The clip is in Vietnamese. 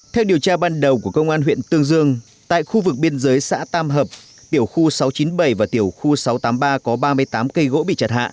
theo điều tra ban đầu của công an huyện tương dương tại khu vực biên giới xã tam hợp tiểu khu sáu trăm chín mươi bảy và tiểu khu sáu trăm tám mươi ba có ba mươi tám cây gỗ bị chặt hạ